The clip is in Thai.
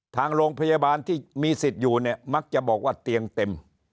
ทางโรงพยาบาลที่มีสิทธิ์อยู่เนี่ยมักจะบอกว่าเตียงเต็ม